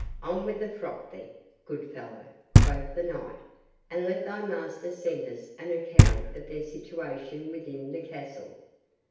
"On with the frock, then, good fellow," quoth the Knight, "and let thy master send us an account of their situation within the castle.